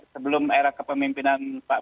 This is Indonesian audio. sebelum era kepemimpinan pak